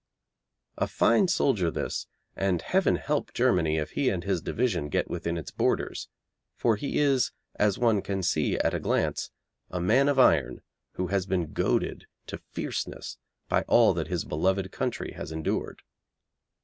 A fine soldier this, and heaven help Germany if he and his division get within its borders, for he is, as one can see at a glance, a man of iron who has been goaded to fierceness by all that his beloved country has endured.